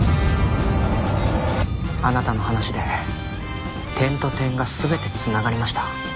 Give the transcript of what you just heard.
あなたの話で点と点が全て繋がりました。